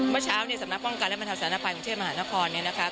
เมื่อเช้าสำนักป้องกันและบรรทัศนภัยของเชฟมหานคร